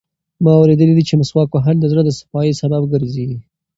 ما اورېدلي دي چې مسواک وهل د زړه د صفایي سبب ګرځي.